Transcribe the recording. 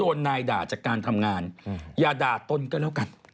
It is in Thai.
อันนี้บอกวันพุธต้องออกกำลังกาย